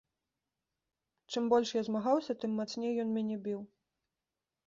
Чым больш я змагаўся, тым мацней ён мяне біў.